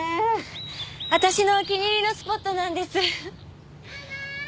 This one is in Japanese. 私のお気に入りのスポットなんですママー！